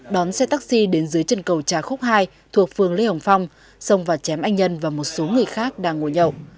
đón xe taxi đến dưới trần cầu trà khúc hai thuộc phương lê hồng phong xông vào chém anh nhân và một số người khác đang ngồi nhậu